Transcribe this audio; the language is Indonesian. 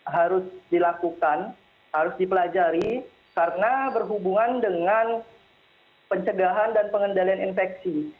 harus dilakukan harus dipelajari karena berhubungan dengan pencegahan dan pengendalian infeksi